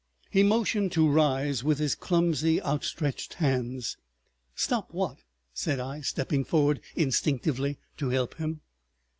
He motioned to rise with his clumsy outstretched hands. "Stop what?" said I, stepping forward instinctively to help him.